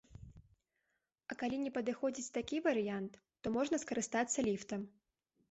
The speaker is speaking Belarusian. А калі не падыходзіць такі варыянт, то можна скарыстацца ліфтам.